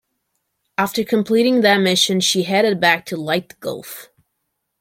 After completing that mission, she headed back to Leyte Gulf.